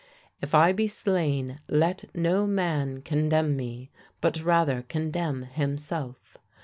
"If I be slain, let no man condemn me, but rather condemn himself.